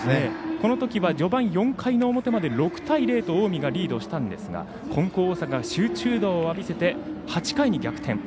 このときは序盤４回の表まで６対０と近江がリードしたんですが金光大阪が集中打を浴びせて８回に逆転。